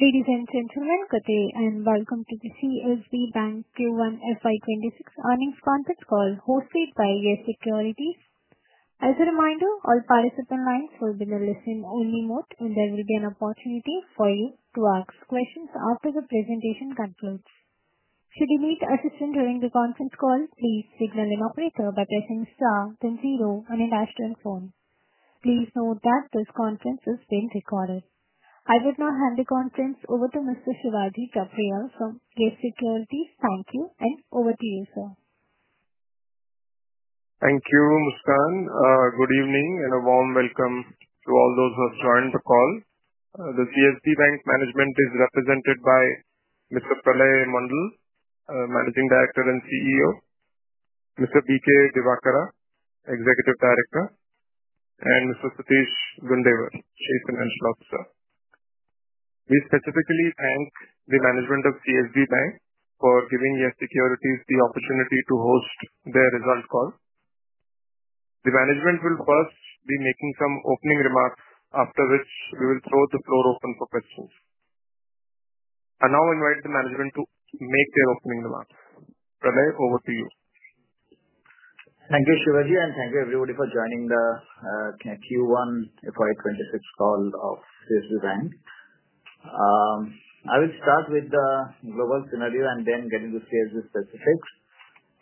Ladies and gentlemen, good day and welcome to the CSB Bank Q1 FY 2026 Earnings Conference Call hosted by Yes Securities. As a reminder, all participant lines will be in the listen-only mode, and there will be an opportunity for you to ask questions after the presentation concludes. Should you need assistance during the conference call, please speak to the operator by pressing star 20 on your dashboard phone. Please note that this conference is being recorded. I will now hand the conference over to Mr. Shivaji Thapliyal from Yes Securities. Thank you, and over to you, sir. Thank you, Ms. Khan. Good evening and a warm welcome to all those who have joined the call. The CSB Bank management is represented by Mr. Pralay Mondal, Managing Director and CEO, Mr. D.K. Devakara, Executive Director, and Mr. Satish Gundewar, Chief Financial Officer. We specifically thank the management of CSB Bank for giving Yes Securities the opportunity to host their result call. The management will first be making some opening remarks, after which we will throw the floor open for questions. I now invite the management to make their opening remarks. Pralay, over to you. Thank you, Shivaji, and thank you, everybody, for joining the Q1 FY 2026 call of CSB Bank. I will start with the global scenario and then get into CSB specifics.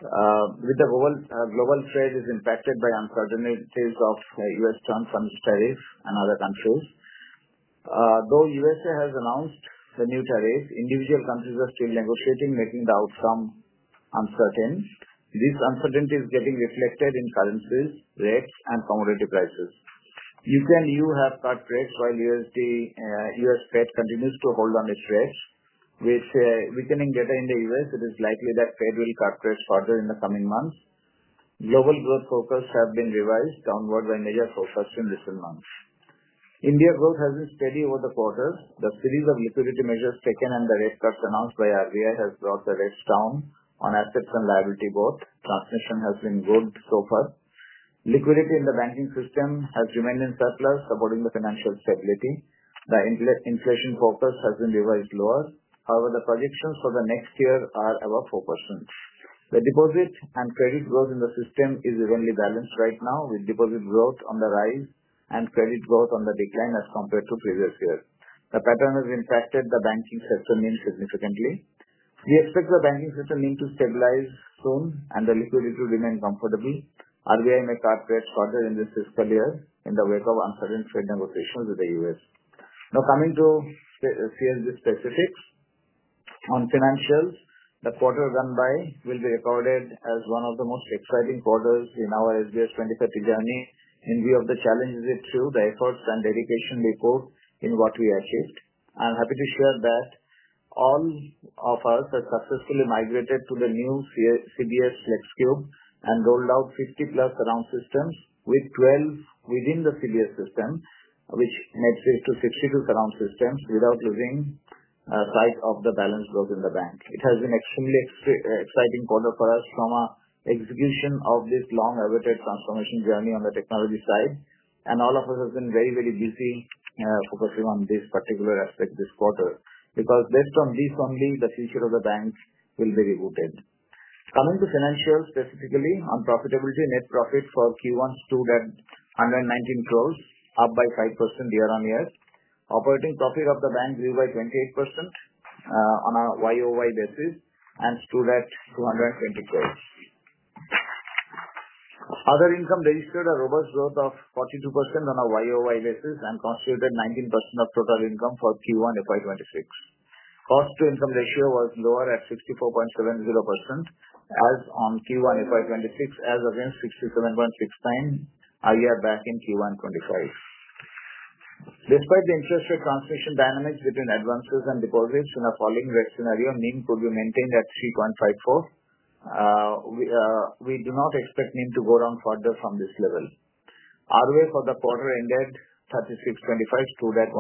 With the global trade being impacted by uncertainty of U.S. terms and tariffs in other countries, though U.S. has announced the new tariffs, individual countries are still negotiating, making the outcome uncertain. This uncertainty is getting reflected in currency, rates, and commodity prices. The U.K. and EU have cut rates while the U.S. Fed continues to hold on its rates. With weakening data in the U.S., it is likely that the Fed will cut rates further in the coming months. Global growth forecasts have been revised downward by measures for the first three months. India's growth has been steady over the quarter. The series of liquidity measures taken and the rate cuts announced by RBI have brought the rates down on assets and liability both. Transmission has been good so far. Liquidity in the banking system has remained in surplus, supporting the financial stability. The inflation forecast has been revised lower. However, the projections for the next year are above 4%. The deposit and credit growth in the system is evenly balanced right now, with deposit growth on the rise and credit growth on the decline as compared to the previous year. The pattern has impacted the banking sector significantly. We expect the banking sector to stabilize soon, and the liquidity will remain comfortable. RBI may cut rates further in this fiscal year in the wake of uncertain trade negotiations in the U.S. Now, coming to CSB specifics, on financials, the quarter run by will be recorded as one of the most exciting quarters in our SBI 2030 journey. In view of the challenges it's through, the efforts and dedication we put in what we achieved, I'm happy to share that all of us have successfully migrated to the new CBS Flexcube and rolled out 50+ account systems with 12 within the CBS system, which makes it a 66-account system without losing sight of the balance flows in the bank. It has been an extremely exciting quarter for us from our execution of this long-event transformation journey on the technology side, and all of us have been very, very busy focusing on this particular aspect this quarter because that's on this only that the future of the bank will be rebooted. Coming to financials specifically, on profitability, net profit for Q1 stood at 119 crore, up by 5% year-on-year. Operating profit of the bank grew by 28% on a YoY basis and stood at 220 crore. Other income registered a robust growth of 42% on a YoY basis and constituted 19% of total income for Q1 FY 2026. Cost-to-income ratio was lower at 64.70% as on Q1 FY 2026, as against 67.69% a year back in Q1 FY 2025. Despite the interest rate transmission dynamics between advances and deposits in the following rate scenario, NIM could be maintained at 3.54%. We do not expect NIM to go down further from this level. ROA for the quarter ended Q1 FY 2026 stood at 1.03%.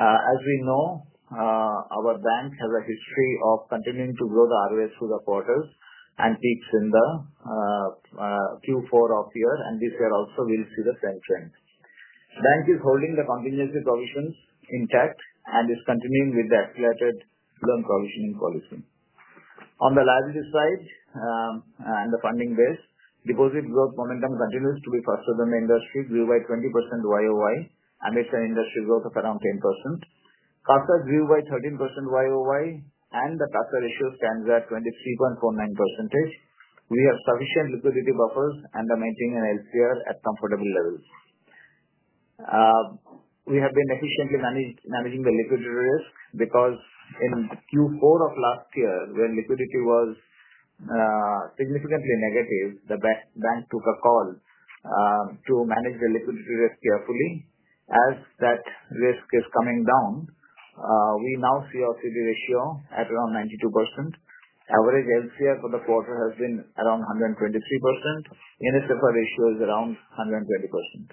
As we know, our bank has a history of continuing to grow the ROAs through the quarters and peaks in the Q4 of the year, and this year also we'll see the same trend. The bank is holding the continuous deposit intact and is continuing with the escalated loan provisioning policy. On the liability side and the funding base, deposit growth momentum continues to be faster than the industry, grew by 20% YoY, and it's an industry growth of around 10%. CASA grew by 13% YoY, and the CASA ratio stands at 23.49%. We have sufficient liquidity buffers and are maintaining an LCR at comfortable levels. We have been efficiently managing the liquidity risk because in Q4 of last year, when liquidity was significantly negative, the bank took a call to manage the liquidity risk carefully. As that risk is coming down, we now see our CD ratio at around 92%. Average LCR for the quarter has been around 123%. The NSFR ratio is around 120%.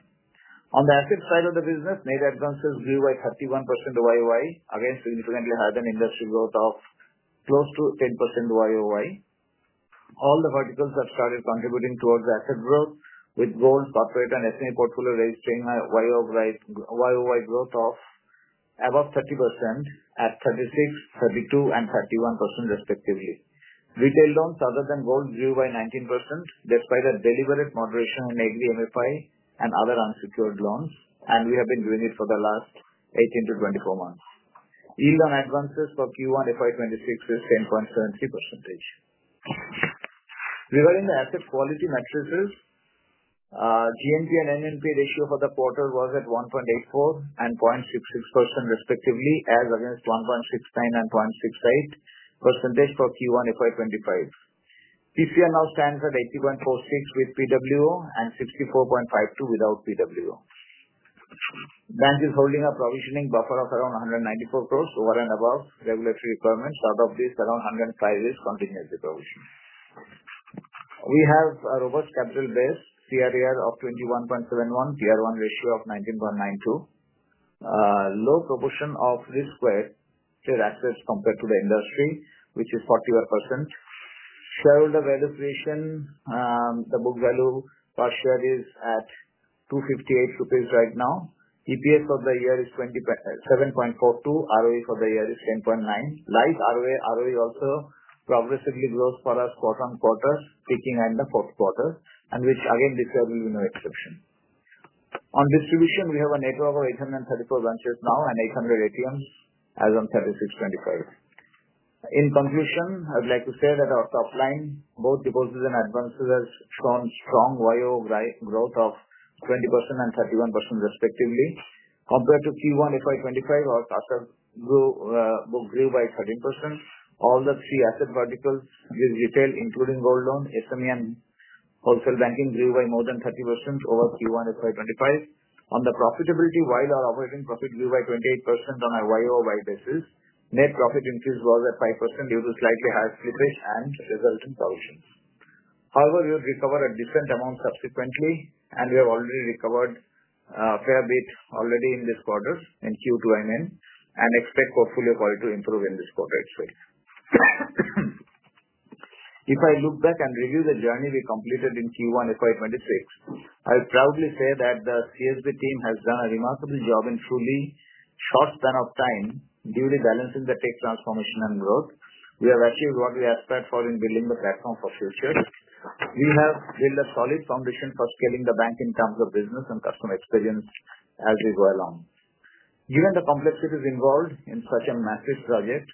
On the asset side of the business, net advances grew by 31% YoY, again significantly higher than industry growth of close to 10% YoY. All the verticals have started contributing towards asset growth, with gold, corporate, and SME portfolio registering YoY growth of above 30% at 36%, 32%, and 31% respectively. Retail loans other than gold grew by 19% despite a deliberate moderation on NAV, MFI, and other unsecured loans, and we have been doing it for the last 18-24 months. Yield on advances for Q1 FY 2026 is 10.73%. Regarding the asset quality metrics, GNPA and NNPA ratio for the quarter was at 1.84% and 0.66% respectively, as against 1.69% and 0.68% for Q1 FY 2025. PCR now stands at 80.46% with PWO and 64.52% without PWO. The bank is holding a provisioning buffer of around 194 crore over and above regulatory requirements. Out of this, around 105 crore is continuous deposit. We have a robust capital base, CRAR of 21.71%, Tier 1 ratio of 19.92%. Low proportion of disclosed stressed assets compared to the industry, which is 4.4%. Shareholder valuation, the book value per share is at 258 rupees right now. EPS for the year is 27.42. ROE for the year is 10.9%. Live ROE also progressively grows for us quarter on quarter, peaking in the fourth quarter, which again this quarter will be no exception. On distribution, we have a network of 834 branches now and 800 ATMs as on 3/6/25. In conclusion, I would like to say that our top line, both deposits and advances, has shown strong YoY growth of 20% and 31% respectively. Compared to Q1 FY 2025, our CASA book grew by 13%. All the three asset verticals, which detail including gold loan, SME, and wholesale banking, grew by more than 30% over Q1 FY 2025. On the profitability, while our operating profit grew by 28% on a YoY basis, net profit increase was at 5% due to slightly higher CPAs and resulting closing. However, we have recovered a decent amount subsequently, and we have already recovered a fair bit already in this quarter in Q2 I'm in and expect portfolio quality to improve in this quarter too. If I look back and review the journey we completed in Q1 FY 2026, I proudly say that the CSB team has done a remarkable job and truly thought span of time during balancing the tech transformation and growth. We have achieved what we have planned for in building the platform for future. We have built a solid foundation for scaling the bank in terms of business and customer experience as we go along. Given the complexities involved in such a massive project,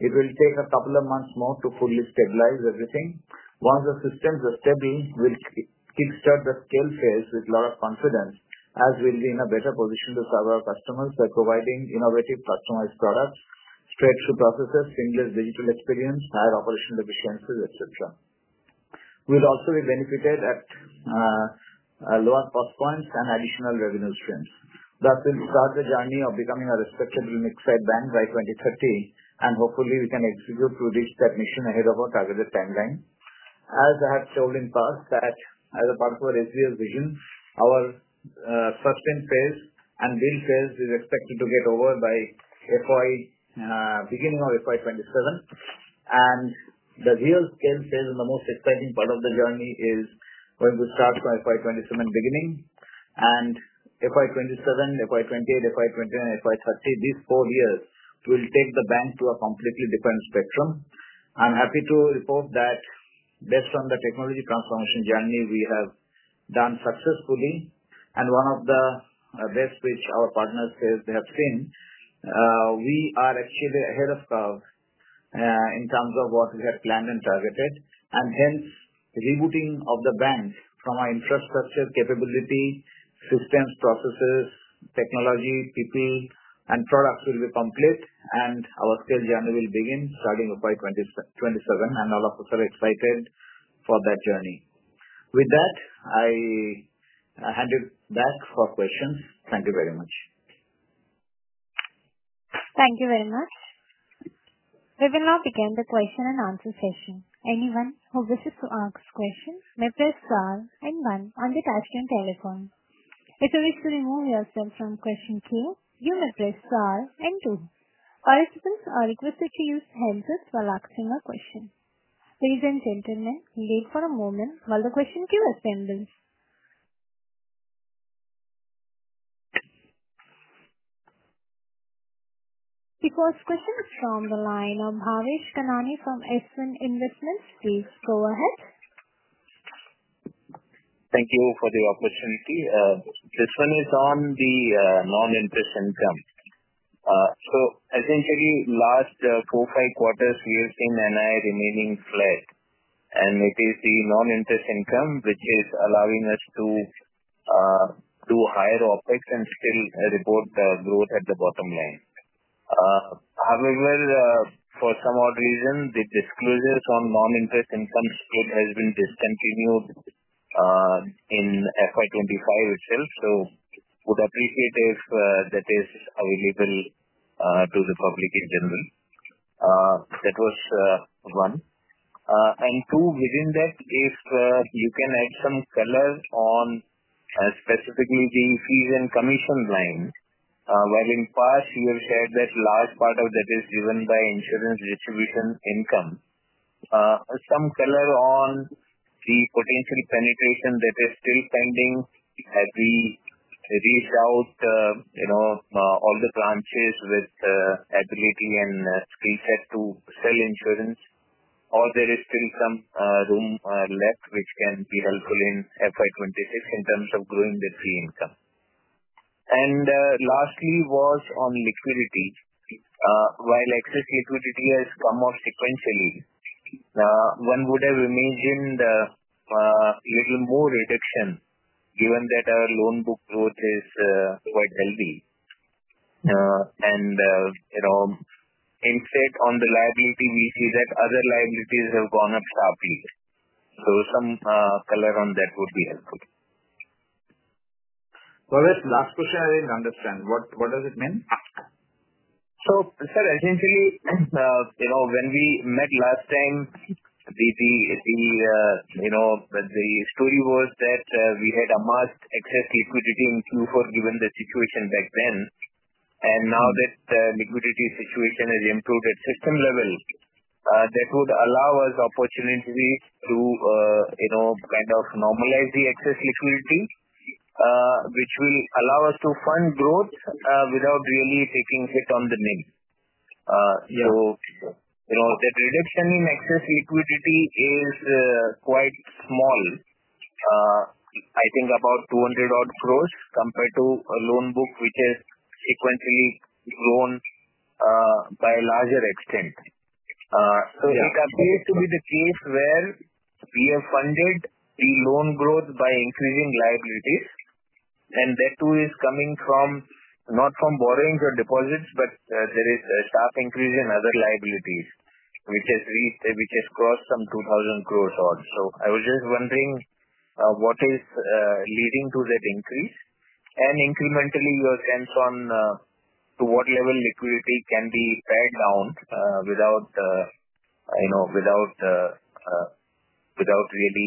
it will take a couple of months more to fully stabilize everything. Once the systems are stable, we'll kickstart the scale phase with a lot of confidence as we'll be in a better position to serve our customers by providing innovative customized products, spreadsheet processors, seamless digital experience, higher operational efficiency, etc. We'll also be benefited at lower cost points and additional revenue streams. Thus, we'll start the journey of becoming a respectable mid-size bank by 2030, and hopefully, we can execute to reach that mission ahead of our targeted timeline. As I have shown in the past, as a part of our SBI vision, our first spin phase and build phase is expected to get over by the beginning of FY 2027. The real scale phase and the most exciting part of the journey is when we start our FY 2027 beginning. FY 2027, FY 2028, FY 2029, FY 2030, these four years will take the bank to a completely different spectrum. I'm happy to report that based on the technology transformation journey we have done successfully and one of the best which our partners say they have seen, we are actually ahead of curve in terms of what we have planned and targeted. The rebooting of the bank from our infrastructure capability, systems, processes, technology, people, and products will be complete, and our scale journey will begin starting FY 2027. All of us are excited for that journey. With that, I hand it back for questions. Thank you very much. Thank you very much. We will now begin the question and answer session. Anyone who wishes to ask questions may press star and one on the touchscreen telephone. If you wish to remove yourself from the question queue, you may press star and two. All participants are requested to use the home assist while asking a question. Please enter the internet and wait for a moment while the question queue is pending. The first question is from the line of Haresh Ghanani from Eastwind Investment Street. Go ahead. Thank you all for the opportunity. This one is on the non-interest income. Essentially, the last four or five quarters, we have seen an eye-removing slide, and it is the non-interest income which is allowing us to do higher OpEx and still report the growth at the bottom line. However, for some odd reason, the disclosures on non-interest income story have been discontinued in FY 2025 itself. I would appreciate if that is available to the public in general. That was one. Two, within that, if you can add some color on a specific meeting fees and commission line, while in the past, you will get that large part of that is driven by insurance distribution income. Some color on the potential penetration that is still pending as we reach out to all the branches with the agility and skill set to sell insurance. There is still some room left which can be helpful in FY 2026 in terms of growing the fee income. Lastly, on liquidity, while excess liquidity has come off sequentially, one would have imagined a little more reduction given that our loan book growth is quite heavy. Instead, on the liability, we see that other liabilities have gone up sharply. Some color on that would be helpful. Go ahead. Last question, I didn't understand. What does it mean? Essentially, you know when we met last time, the story was that we had a must-access liquidity in Q4 given the situation back then. Now that the liquidity situation has improved at system level, that would allow us opportunities to, you know, kind of normalize the excess liquidity, which will allow us to fund growth without really taking hit on the NIM. The reduction in excess liquidity is quite small. I think about 200 crore compared to a loan book which has sequentially grown by a larger extent. There appears to be the case where we are funded in loan growth by increasing liabilities. That, too, is coming not from borrowings or deposits, but there is a staff increase in other liabilities, which has crossed some 2,000 crore. I was just wondering what is leading to that increase. Incrementally, you have hands on to what level liquidity can be pared down without really,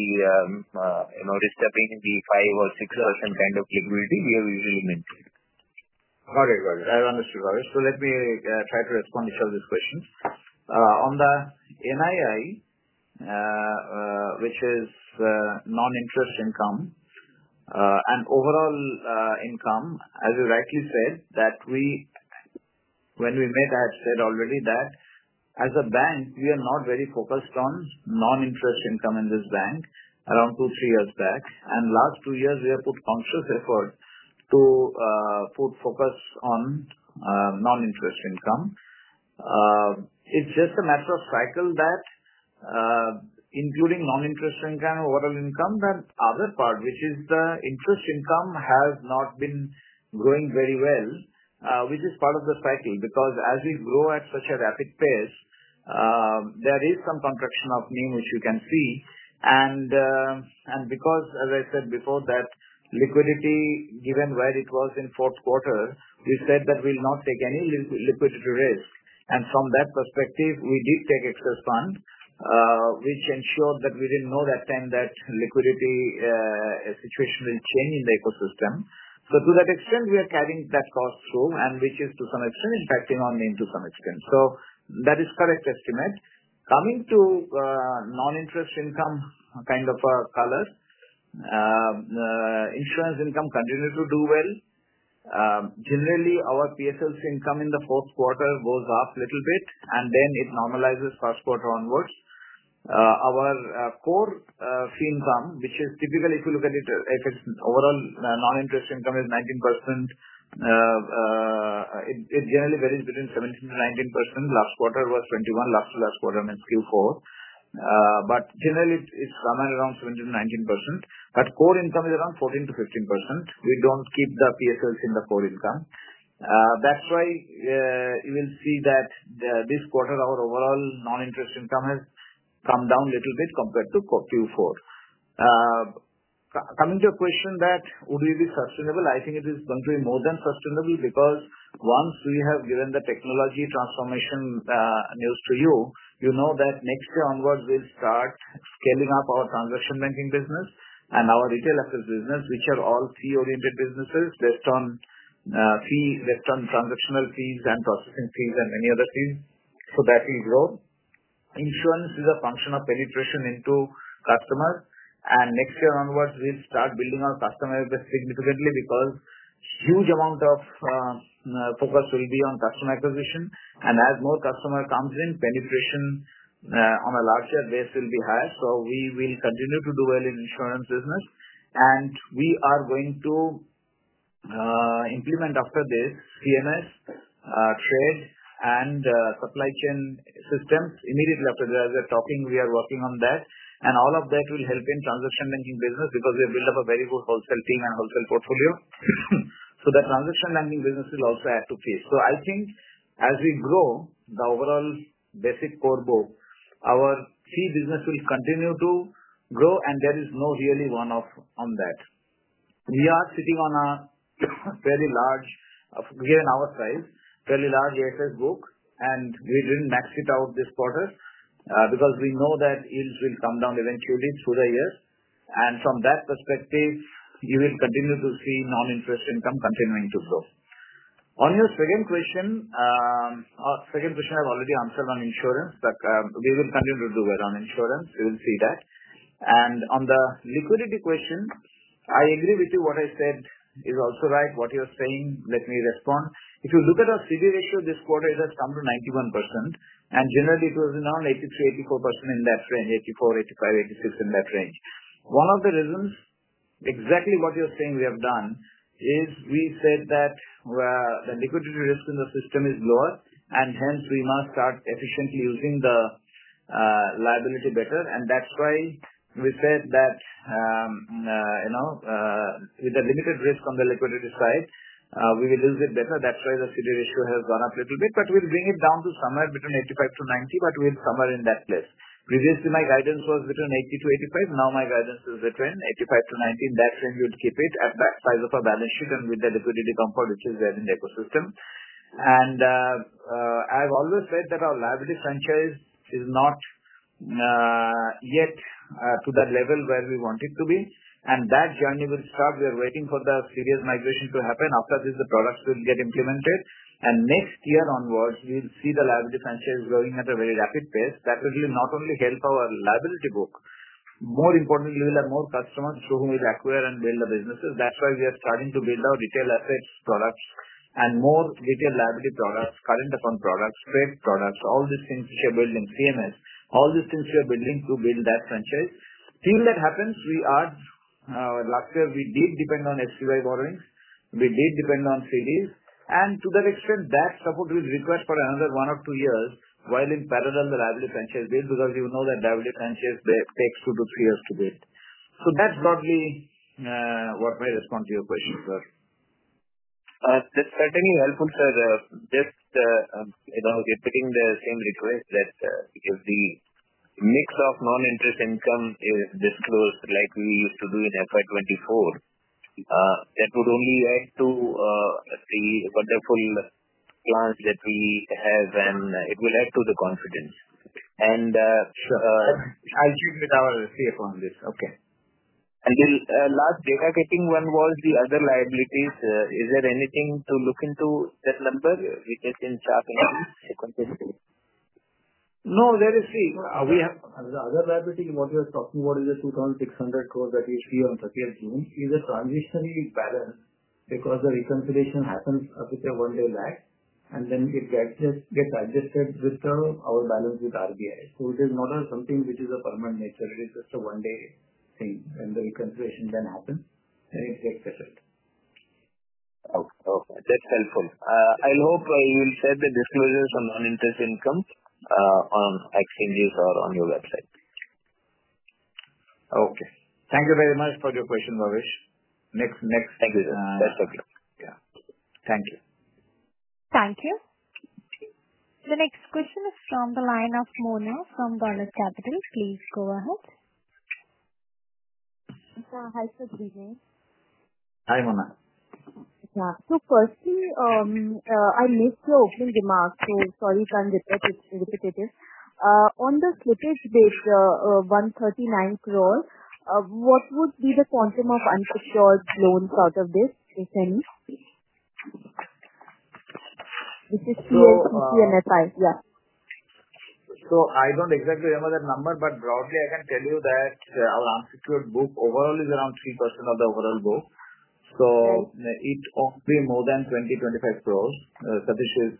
you know, stepping into the 5% or 6% kind of liquidity we have usually mentioned. Got it. Got it. I understood. Let me try to respond to some of these questions. On the NII, which is non-interest income and overall income, as you rightly said, when we met, I had said already that as a bank, we were not very focused on non-interest income in this bank around two, three years back. In the last two years, we have put conscious effort to put focus on non-interest income. It's just a matter of cycle that, including non-interest income and overall income, that other part, which is the interest income, has not been growing very well, which is part of the cycle. As we grow at such a rapid pace, there is some contraction of mean which you can see. As I said before, liquidity given where it was in the fourth quarter, we said that we'll not take any liquidity risk. From that perspective, we did take excess funds, which ensured that we didn't know at that time that liquidity situation would change in the ecosystem. To that extent, we are carrying that cost through, which is to some extent impacting our mean to some extent. That is a correct estimate. Coming to non-interest income kind of a color, insurance income continues to do well. Generally, our PSLC income in the fourth quarter goes up a little bit, and then it normalizes first quarter onwards. Our core fee income, which is typically, if you look at it, if overall non-interest income is 19%, it generally varies between 17%-19%. Last quarter was 21%, last quarter means Q4. Generally, it's somewhere around 17%-19%. Core income is around 14%-15%. We don't keep the PSLC in the core income. That's why you will see that this quarter, our overall non-interest income has come down a little bit compared to Q4. Coming to your question that would it be sustainable, I think it is going to be more than sustainable because once we have given the technology transformation news to you, you know that next year onwards, we'll start scaling up our transaction banking business and our retail assets business, which are all fee-oriented businesses based on fees based on transactional fees and processing fees and many other fees. That will grow. Insurance is a function of penetration into customers. Next year onwards, we'll start building our customer base significantly because a huge amount of focus will be on customer acquisition. As more customers come in, penetration on a larger base will be higher. We will continue to do well in the insurance business. We are going to implement after this PMS shared and supply chain systems. Immediately after that, as we're talking, we are working on that. All of that will help in the transaction banking business because we have built up a very good wholesale team and wholesale portfolio. The transaction banking business will also add to fees. I think as we grow the overall basic core book, our fee business will continue to grow, and there is no really one-off on that. We are sitting on a very large, given our size, fairly large asset book, and we didn't max it out this quarter because we know that yields will come down eventually through the year. From that perspective, you will continue to see non-interest income continuing to grow. On your second question, I have already answered on insurance, but we will continue to do well on insurance. You will see that. On the liquidity question, I agree with you. What I said is also right. What you're saying, let me respond. If you look at our CD ratio this quarter, it has come to 91%. Generally, it was around 83%, 84% in that range, 84%, 85%, 86% in that range. One of the reasons exactly what you're saying we have done is we said that the liquidity risk in the system is lower, and hence, we must start efficiently using the liability better. That's why we said that, you know, with a limited risk on the liquidity side, we will use it better. That's why the CD ratio has gone up a little bit, but we'll bring it down to somewhere between 85%-90%, but we'll somewhere in that place. Previously, my guidance was between 80%-85%. Now my guidance is between 85%-90%. In that range, we'll keep it at that size of a balance sheet and with the liquidity comfort, which is there in the ecosystem. I've always said that our liability franchise is not yet to that level where we want it to be. That journey will start. We are waiting for the serious migration to happen. After this, the products will get implemented. Next year onward, you'll see the liability franchise growing at a very rapid pace. That will not only help our liability book, more importantly, you will have more customers who will acquire and build the businesses. That's why we are starting to build our retail assets, products, and more retail liability products, current account products, bank products, all these things which are building, CMS, all these things we are building to build that franchise. Till that happens, we are lucky we did depend on SCB borrowings. We did depend on CDs. To that extent, that support will require for another one or two years while in parallel the liability franchise builds because you know that liability franchise takes two to three years to build. That's broadly what my response to your question was. That's certainly helpful, sir. Just putting the same request that because the mix of non-interest income is disclosed like we used to do at FY 2024, that would only add to the wonderful plans that we have, and it will add to the confidence. I'll use it with our CFO on this. Okay. The last, I think one was the other liabilities. Is there anything to look into this number? You just didn't share it. No, see, the other liability you're talking about is this we call 600 crore that we issued on 30th June. It is a transitionary barrier because the reconciliation happens after a one-day lag, and then it gets adjusted with our balance with RBI. It is not something which is of permanent nature. It is just a one-day thing, and the reconciliation then happens and it gets settled. Okay. That's helpful. I hope you will share the disclosures on non-interest income on exchanges or on your website. Okay. Thank you very much for your question, Haresh. Next, next. Thank you, sir. That's okay. Thank you. Thank you. The next question is from the line of Mona from Garner Capital. Please go ahead. Hi, can you hear me? Hi, Mona. Firstly, I missed your opening remark. Sorry if I'm repetitive. On the slippage base, INR 139 crore, what would be the quantum of unsecured loans out of this, if any? It's a CLCC and FI. Yeah. I don't exactly remember that number, but broadly, I can tell you that our unsecured book overall is around 3% of the overall book. It's only more than 20, 25 crores. Satish is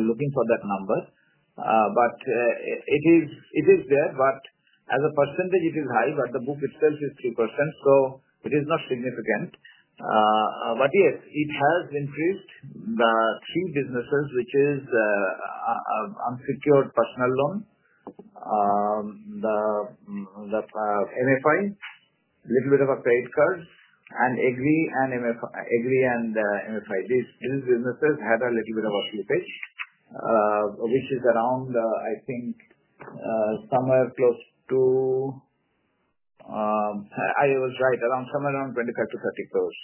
looking for that number. It is there, but as a percentage, it is high, but the book itself is 2%. It is not significant, but yes, it has increased. The three businesses, which are unsecured personal loan, the MFI, a little bit of a credit card, and AGRI and MFI, these businesses had a little bit of a slippage, which is around, I think, somewhere close to, I was right, somewhere around 25 crores-30 crores.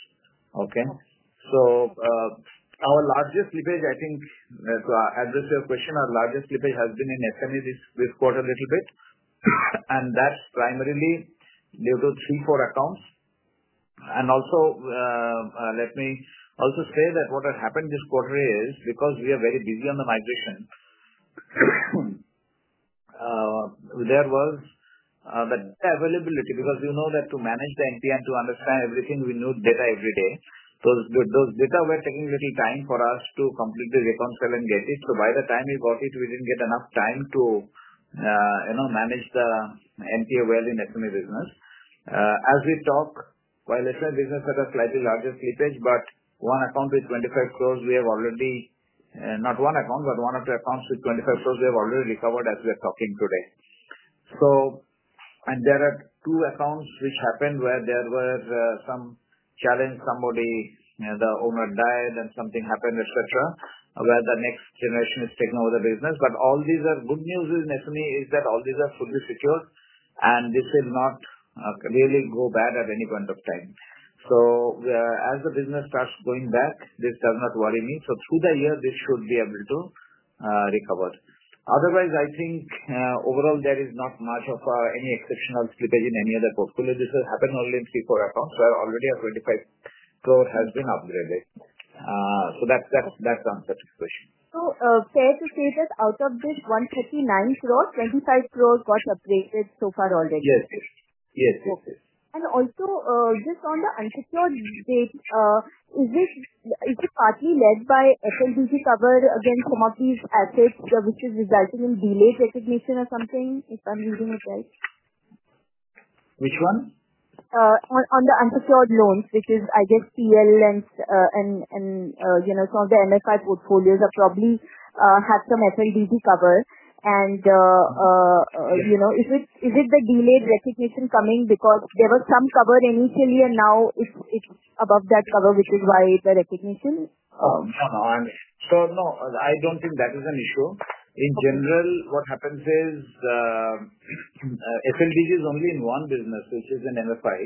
Our largest slippage, to address your question, has been in SMEs this quarter a little bit, and that's primarily due to three, four accounts. Let me also say that what happened this quarter is because we were very busy on the migration, the availability—because you know that to manage the NPA and to understand everything, we need data every day—so with those data, it was taking a little time for us to complete the account calendary. By the time we got it, we didn't get enough time to manage the NPA well in SME business. As we talk, while SME business had a slightly larger slippage, one or two accounts with 25 crores, we have already recovered as we are talking today. There are two accounts where there were some challenges, somebody, the owner died, and something happened, etc., where the next generation is taking over the business. All these are good news in SME, as all these are fully secured, and this will not really go bad at any point of time. As the business starts going back, this does not worry me. Through the year, this should be able to recover. Otherwise, I think, overall, there is not much of any exceptional slippage in any other portfolio. This has happened only in three or four accounts where already 25 crore has been upgraded. That's the answer to your question. it fair to say that out of this INR 159 crore, INR 25 crore got upgraded so far already? Yes. Yes. Okay. Also, just on the unsecured base, is this partly led by a tentatively covered against Kumakri's assets, which is resulting in delayed recognition or something if I'm reading it right? Which one? On the unsecured loans, which is, I guess, CL and some of the MFI portfolios probably had some FMDB cover. Is it the delayed recognition coming because there was some cover initially, and now it's above that cover, which is why the recognition? No, I don't think that is an issue. In general, what happens is FMDB is only in one business, which is in MFI.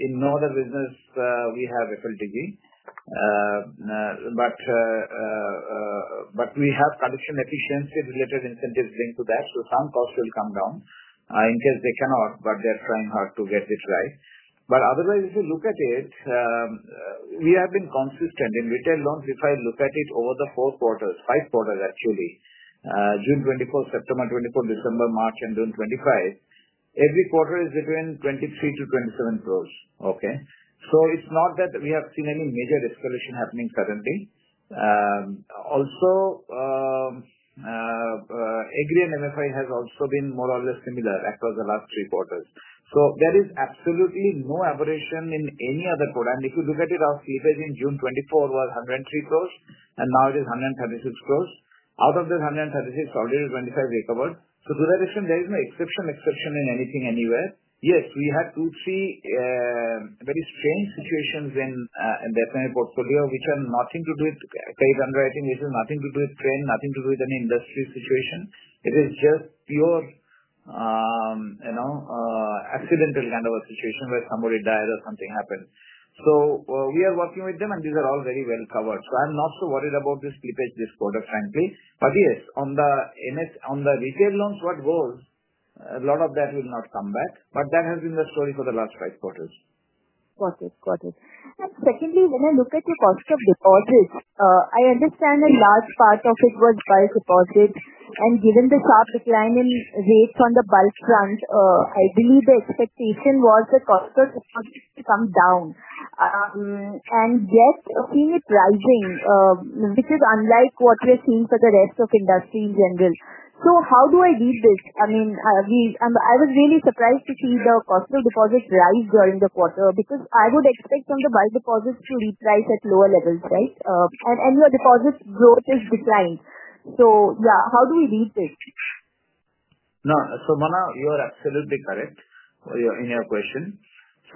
In no other business, we have FMDB. We have production efficiency-related incentives linked to that, so some costs will come down in case they cannot, but they're trying hard to get it right. Otherwise, if you look at it, we have been consistent in retail loans. If I look at it over the four quarters, five quarters actually, June 2024, September 2024, December, March, and June 2025, every quarter is between 23 crore- 27 crore. It's not that we have seen any major escalation happening currently. Also, AGRI and MFI have also been more or less similar across the last three quarters. There is absolutely no aberration in any other quarter. If you look at it, our slippage in June 2024 was 103 crore, and now it is 136 crore. Out of the 136 crore, already 25 crore recovered. To that extent, there is no exception in anything anywhere. Yes, we had to see very strange situations in the SME portfolio, which had nothing to do with credit underwriting, nothing to do with trend, nothing to do with any industry situation. It is just pure accidental kind of a situation where somebody died or something happened. We are working with them, and these are all very well covered. I'm not so worried about this slippage this quarter, frankly. Yes, on the resale loans, what goes, a lot of that will not come back. That has been the story for the last five quarters. Got it. Got it. When I look at your cost of deposit, I understand a large part of it was bulk deposit. Given the sharp decline in rates on the bulk grants, I believe the expectation was the cost of deposit to come down. Yet, I've seen it rising, which is unlike what we're seeing for the rest of the industry in general. How do I read this? I was really surprised to see the cost of deposit rise during the quarter because I would expect on the bulk deposits to reprice at lower levels, right? On your deposits, growth has declined. How do we read this? No. Mona, you are absolutely correct in your question.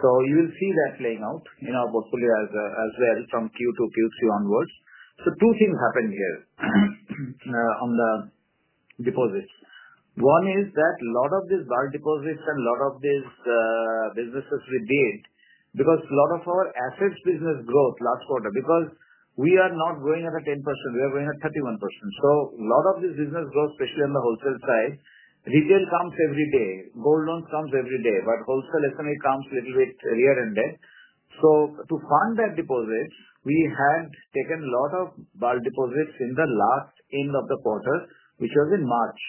You will see that playing out in our portfolio as well from Q2, Q3 onwards. Two things happen here on the deposits. One is that a lot of these bulk deposits and a lot of these businesses we build because a lot of our assets business growth last quarter, because we are not growing at 10%. We are growing at 31%. A lot of this business growth, especially on the wholesale side, retail comes every day. Gold loans come every day, but wholesale SME comes a little bit earlier. To fund that deposit, we had taken a lot of bulk deposits at the end of the quarter, which was in March.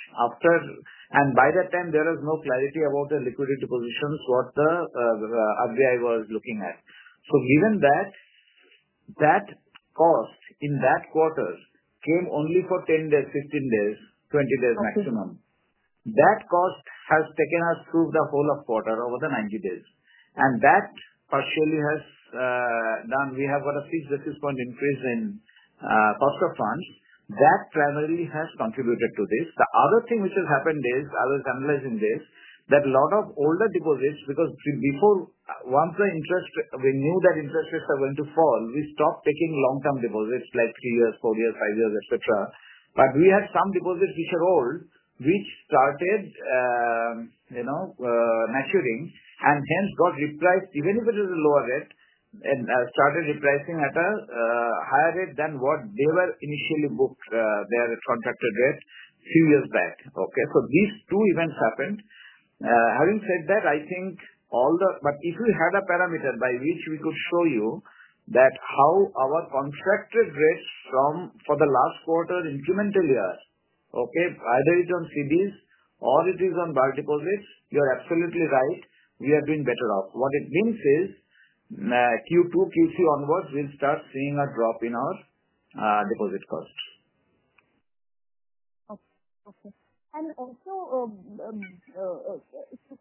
By that time, there was no clarity about the liquidity depositions the RBI was looking at. Given that, that cost in that quarter came only for 10 days, 15 days, 20 days maximum. That cost has taken us through the whole quarter over the 90 days. That partially has done. We have got a few success points increase in cost of funds. That primarily has contributed to this. The other thing which has happened is I was analyzing this, that a lot of older deposits, because before, once we knew that interest rates are going to fall, we stopped taking long-term deposits like three years, four years, five years, etc. We had some deposits which are old, which started maturing and hence got repriced even if it was a lower risk and started repricing at a higher rate than what they were initially booked, their contracted rate a few years back. These two events happened. Having said that, I think all the, but if we had a parameter by which we could show you how our contracted rates for the last quarter incrementally are, either it's on CDs or it is on bulk deposits, you're absolutely right. We have been better off. What it means is, Q2, Q3 onwards, we'll start seeing a drop in our deposit costs. Okay. Okay. If you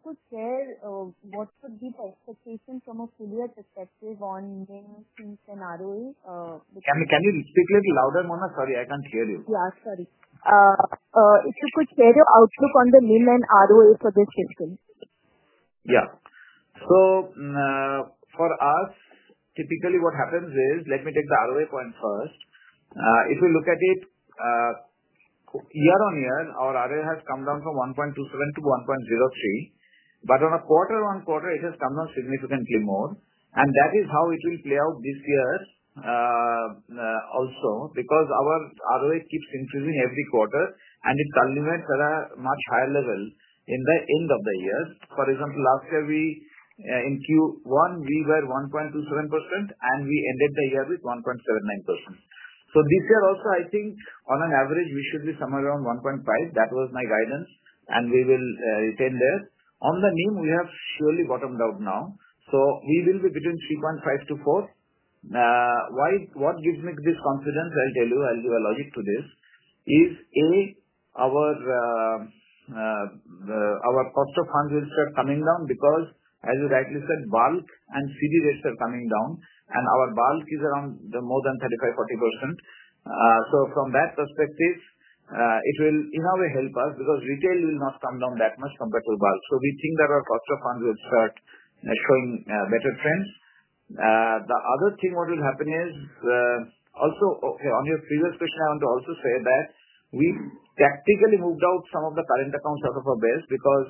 could share, what's the view also facing from a similar perspective on NIM, cost-to-income ratio, and ROA? Can you speak a little louder, Mona? Sorry, I can't hear you. Yeah, sorry, if you could share your outlook on the NIM and ROA for this season. Yeah. For us, typically what happens is, let me take the ROA point first. If we look at it, year on year, our ROA has come down from 1.27%-1.03%. On a quarter on quarter, it has come down significantly more. That is how it will play out this year, also because our ROA keeps increasing every quarter, and it culminates at a much higher level at the end of the year. For example, last year, in Q1, we were at 1.27%, and we ended the year with 1.79%. This year also, I think on an average, we should be somewhere around 1.5%. That was my guidance, and we will retain this. On the NIM, we have slowly bottomed out now. We will be between 3.5%-4%. What gives me this confidence, I'll tell you, I'll do a logic to this, is A, our cost of funds will start coming down because, as you rightly said, bulk and CD rates are coming down, and our bulk is around more than 35%, 40%. From that perspective, it will in a way help us because retail will not come down that much compared to bulk. We think that our cost of funds will start showing better trends. The other thing that will happen is, also, on your previous question, I want to also say that we've tactically moved out some of the current accounts out of our base because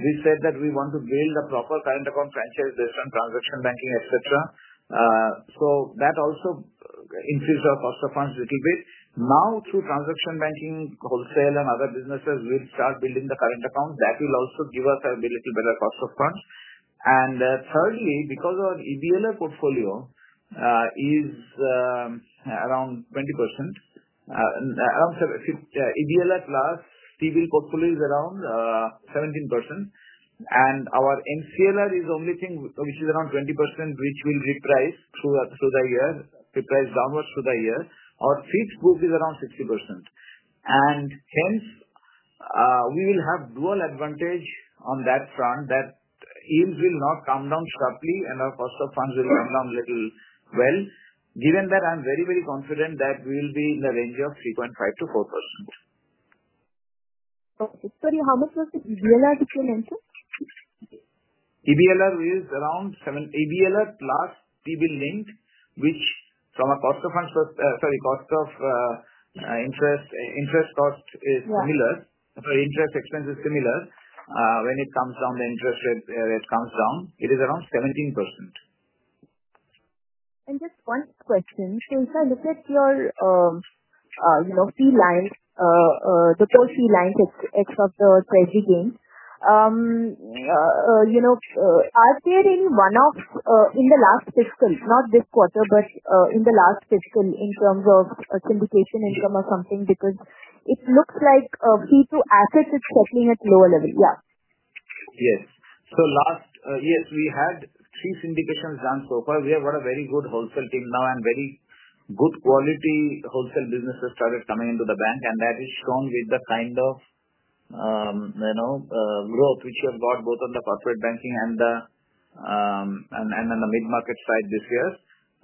we said that we want to gain the proper current account franchise, there's some transaction banking, etc. That also increased our cost of funds a little bit. Now, through transaction banking, wholesale, and other businesses, we will start building the current account. That will also give us a little better cost of funds. Thirdly, because our EBLR portfolio is around 20%, EBLR plus TV portfolio is around 17%, and our MCLR is the only thing which is around 20%, which will reprice through the year, reprice downwards through the year. Our fixed book is around 60%. Hence, we will have dual advantage on that front that EBLR will not come down sharply and our cost of funds will come down very well. Given that, I'm very, very confident that we will be in the range of 3.5%-4%. Sorry, how much was the EBLR that you mentioned? EBLR is around 7%. EBLR plus TV linked, which from a cost of funds, sorry, cost of interest cost is similar. Sorry, interest expense is similar. When it comes down, the interest rate comes down. It is around 17%. If I look at your fee line, the total fee line except the treasury gain, are there any one-offs in the last fiscal, not this quarter, but in the last fiscal in terms of accumulation income or something? It looks like fee to assets is settling at a lower level. Yes. Last year, we had three syndications run so far. We have got a very good wholesale team now and very good quality wholesale business started coming into the bank. That is shown with the kind of growth which we have got both on the corporate banking and the mid-market side this year.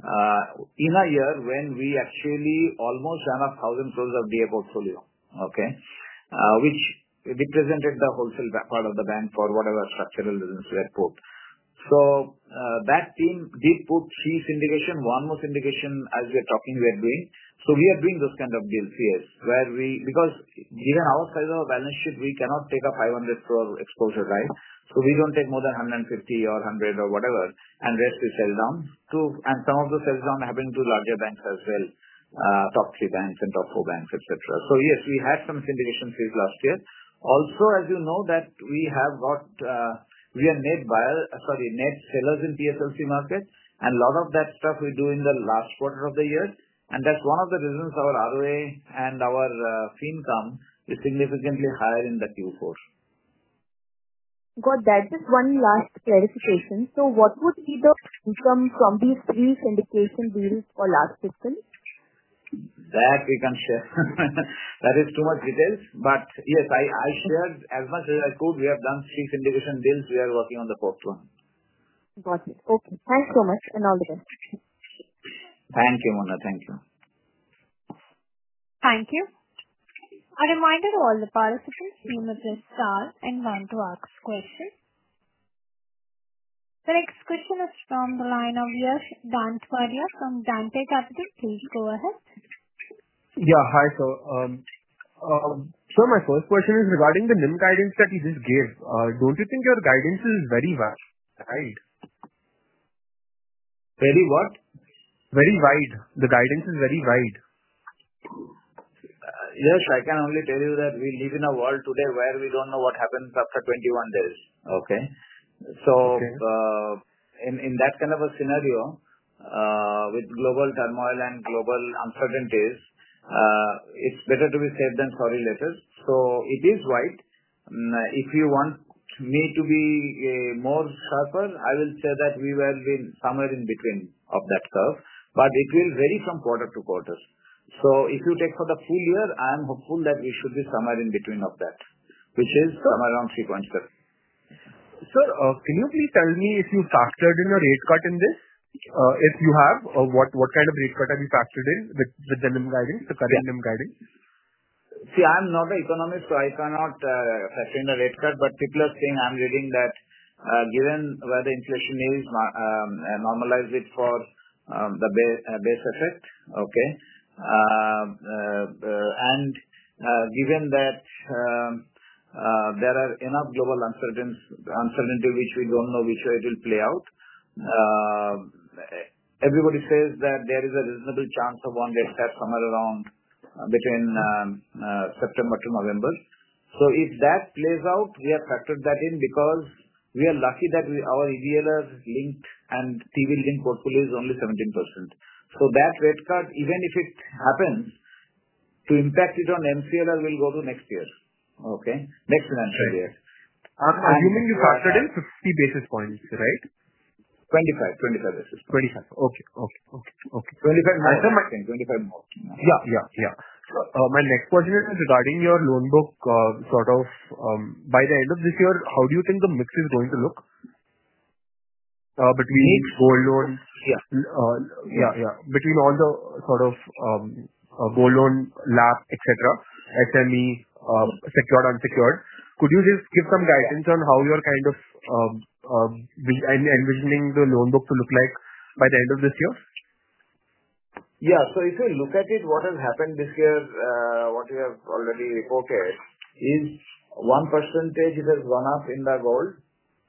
In a year when we actually almost ran 1,000 crore of DA portfolio, which represented the wholesale part of the bank for whatever structural business we had put. That team, they put C syndication, one more syndication as we are talking we are doing. We are doing those kinds of deals here where, given our size of a balance sheet, we cannot take a 500 crore exposure, right? We don't take more than 150 or 100 or whatever and rest the sales down. Some of the sales down are happening to larger banks as well, Top 3 banks and Top 4 banks, etc. Yes, we had some syndications since last year. Also, as you know, we are net buyers, sorry, net sellers in the TSLC market. A lot of that stuff we do in the last quarter of the year. That's one of the reasons our ROA and our fee income is significantly higher in Q4. Got that. Just one last clarification. What would be the income from these three syndication deals for last fiscal? That we can share. That is too much detail. Yes, I shared as much as I could. We have done three syndication deals and we are working on the fourth one. Got it. Okay. Thanks so much, and have a good day. Thank you, Mona. Thank you. Thank you. A reminder to all the participants, you may press star and one to ask questions. The next question is from the line of yours, Dhan Swarya from Dante Capital. Please go ahead. Yeah. Hi. My first question is regarding the NIM guidance that you just gave. Don't you think your guidance is very wide? Very what? Very wide. The guidance is very wide. Yes, I can only tell you that we live in a world today where we don't know what happens after 21 days. In that kind of a scenario, with global turmoil and global uncertainties, it's better to be safe than sorry later. It is wide. If you want me to be more sharper, I will say that we were somewhere in between of that curve. It will vary from quarter to quarter. If you take for the full year, I am hopeful that we should be somewhere in between of that, which is somewhere around 3.7%. Sir, can you please tell me if you factored in a rate cut in this? If you have, or what kind of rate cut have you factored in with the NIM guidance, the current NIM guidance? See, I'm not an economist, so I cannot say in a rate cut, but simply saying I'm reading that given where the inflation is, normalize it for the base asset. Okay. Given that there are enough global uncertainties which we don't know which way it will play out, everybody says that there is a reasonable chance of one rate cut somewhere around between September to November. If that plays out, we have factored that in because we are lucky that our EBLR linked and TV linked portfolio is only 17%. That rate cut, even if it happens, to impact it on MCLR will go to next year. Okay. Next semester, year. You mean you factored in 50 basis points, right? 25 basis points. 25 basis points. 25 basis points. Okay. 25 basis points. Nice information. 25 basis points. My next question is regarding your loan book cutoff. By the end of this year, how do you think the mix is going to look between gold loan, between all the sort of gold loan, LAF, SME, secured, unsecured? Could you just give some guidance on how you're kind of envisioning the loan book to look like by the end of this year? Yeah. If you look at it, what has happened this year, what we have already reported is 1% is as one-off in the gold,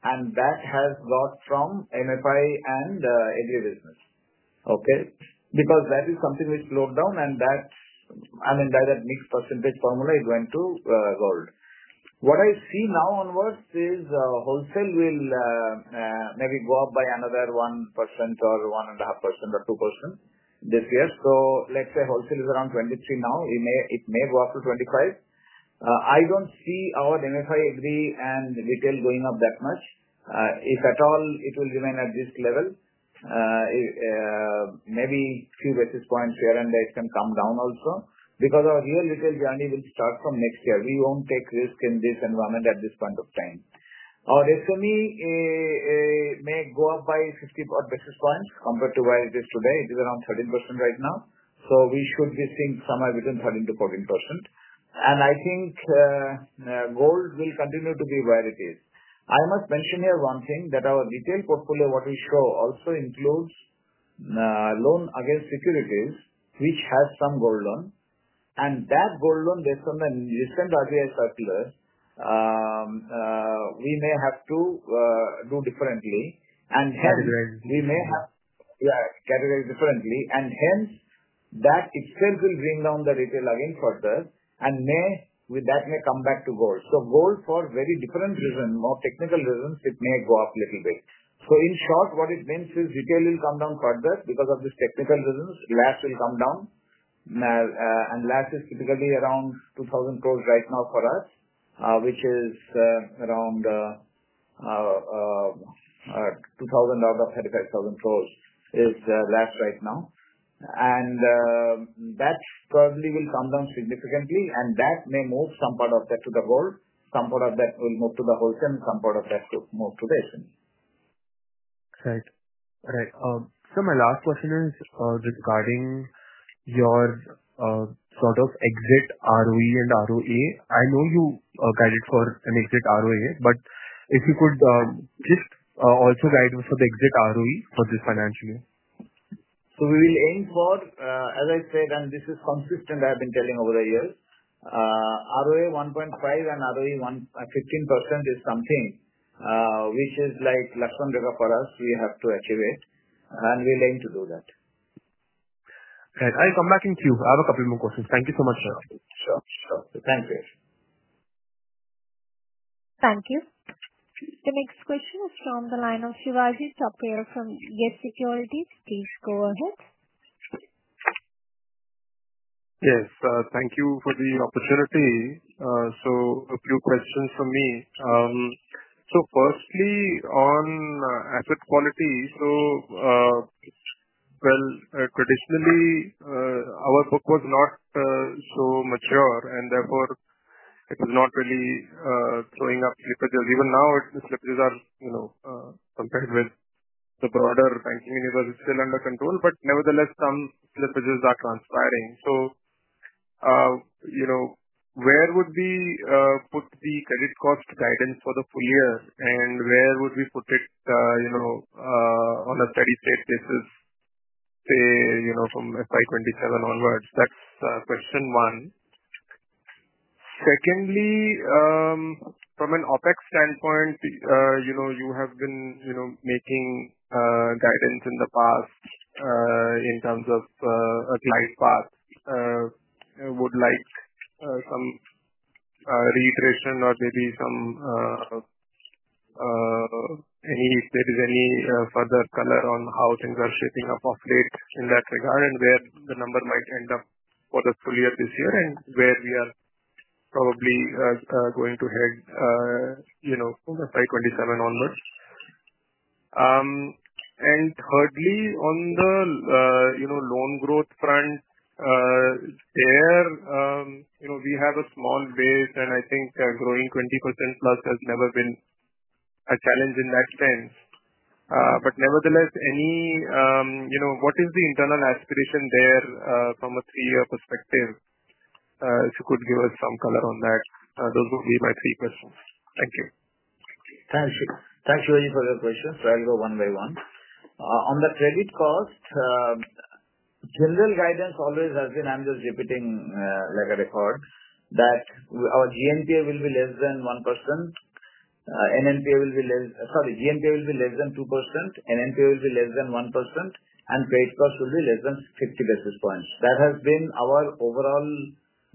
and that has got from NFI and AGRI business. That is something which slowed down, and by that mixed percentage formula, it went to gold. What I see now onwards is wholesale will maybe go up by another 1% or 1.5% or 2% this year. Let's say wholesale is around 23% now. It may go up to 25%. I don't see our NFI, AGRI, and retail going up that much. If at all, it will remain at this level, maybe a few basis points here and there can come down also because our year-to-year journey will start from next year. We won't take risk in this environment at this point of time. Our SME may go up by 60 basis points compared to where it is today. It is around 13% right now. We should be seeing somewhere between 13%-14%. I think gold will continue to be where it is. I must mention here one thing that our retail portfolio, what we show also includes loan against securities, which has some gold loan. That gold loan, based on the recent RBI circular, we may have to do differently and categorize differently. That itself will bring down the retail again further, and with that may come back to gold. Gold, for very different reasons, more technical reasons, may go up a little bit. In short, what it means is retail will come down further because of these technical reasons. LAS will come down. LAS is typically around 2,000 crore right now for us, which is around 2,000 crore out of 35,000 crore is LAS right now. That probably will come down significantly. That may move some part of that to the gold, some part of that will move to the wholesale, and some part of that will move to the SME. Right. Right. My last question is regarding your sort of exit ROE and ROA. I know you guided for an exit ROA, but if you could just also guide us for the exit ROE for this financial year. We will aim for, as I said, and this is consistent I've been telling over the years, ROA 1.5% and ROE 15% is something which is like less than better for us. We have to achieve it. We'll aim to do that. I'll come back in a few. I have a couple more questions. Thank you so much, sir. Sure. Sure. Thank you. Thank you. The next question is from the line of Shivaji Thapliyal from Yes Securities. Please go ahead. Yes. Thank you for the opportunity. A few questions for me. Firstly, on asset quality, traditionally, our book was not so mature, and therefore, it was not really throwing up slippages. Even now, the slippages are, you know, compared with the broader banking universe, it's still under control. Nevertheless, some slippages are transpiring. Where would we put the credit cost guidance for the full year? Where would we put it on a steady pace basis, say, from FY 2027 onwards? That's question one. Secondly, from an OpEx standpoint, you have been making guidance in the past in terms of at least last past, would like some reiteration or maybe some, if there is any further color on how things are shaping up of late in that regard and where the number might end up for the full year this year and where we are probably going to head FY 2027 onwards. Thirdly, on the loan growth front, we have a small base, and I think growing 20%+ has never been a challenge in that sense. Nevertheless, what is the internal aspiration there from a three-year perspective? If you could give us some color on that, those would be my three questions. Thank you. Thanks. Thanks very much for the questions. I'll go one by one. On the credit cost, general guidance always has been, I'm just repeating like a record, that our GNPA will be less than 2%. NNPA will be less than 1%. And credit cost will be less than 50 basis points. That has been our overall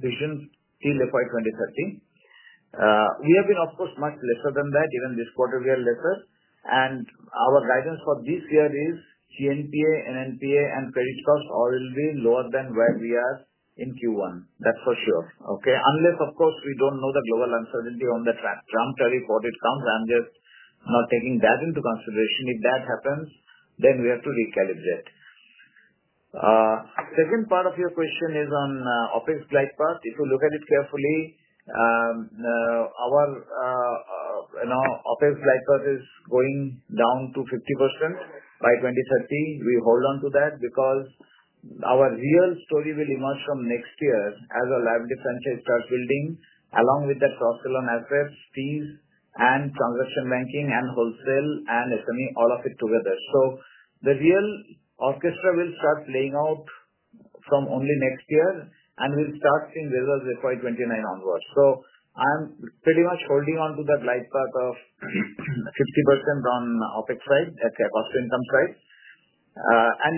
vision till FY 2030. We have been, of course, much lesser than that. Even this quarter, we are lesser. Our guidance for this year is GNPA, NNPA, and credit cost all will be lower than where we are in Q1. That's for sure. Unless, of course, we don't know the global uncertainty on the track terms or reported terms. I'm just not taking that into consideration. If that happens, then we have to recalibrate. Second part of your question is on OpEx by path. If you look at it carefully, our OpEx by path is going down to 50% by 2030. We hold on to that because our real story will emerge from next year as our liability franchise starts building along with the cross-sell on assets, fees, and transaction banking, and wholesale, and SME, all of it together. The real orchestra will start playing out from only next year and we'll start seeing results FY 2029 onwards. I'm pretty much holding on to that by path of 50% on OpEx side, that's the cost-to-income side.